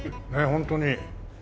ホントに。